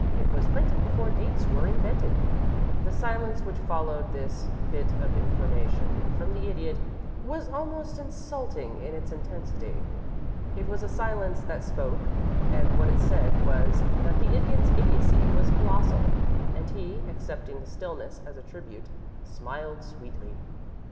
It was printed before dates were invented." The silence which followed this bit of information from the Idiot was almost insulting in its intensity. It was a silence that spoke, and what it said was that the Idiot's idiocy was colossal, and he, accepting the stillness as a tribute, smiled sweetly.